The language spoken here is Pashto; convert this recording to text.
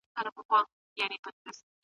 که پانګونه ونشي د عاید لوړوالی ناشونی دی.